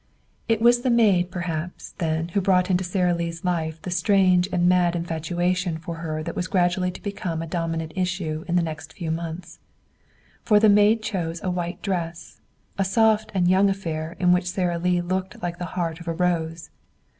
It was the maid, perhaps, then who brought into Sara Lee's life the strange and mad infatuation for her that was gradually to become a dominant issue in the next few months. For the maid chose a white dress, a soft and young affair in which Sara Lee looked like the heart of a rose.